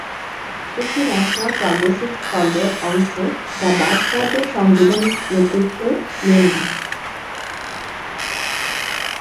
একটি national progressive ফ্রন্টের অংশ যা বাথ পার্টির সাংবিধানিক নেতৃত্ব মেনে নেয়।